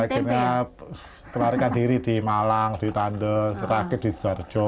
akhirnya kelarikan diri di malang di tande terakit di sudarjo